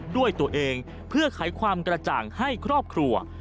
ด้วยตัวเองเพื่อไขความกระจ่างให้ครอบครัว